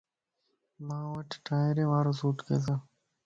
مان وٽ ٽائرين وارو سوٽ ڪيس